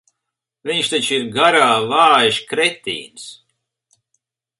Viņš taču ir garā vājš kretīns.